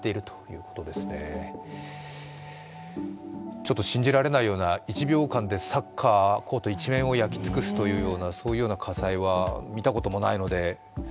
ちょっと信じられないような１秒間でサッカーコート一面を焼き尽くすような火災は見たこともないので。